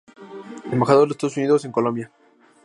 Embajador de los Estados Unidos en Colombia